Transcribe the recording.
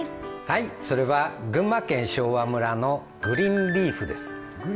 はいそれは群馬県昭和村のグリンリーフです